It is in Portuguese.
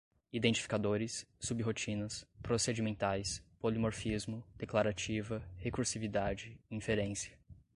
identificadores, sub-rotinas, procedimentais, polimorfismo, declarativa, recursividade, inferência